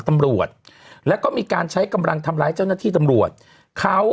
ตำรวจแล้วก็มีการใช้กำลังทำร้ายเจ้าหน้าที่ตำรวจเขา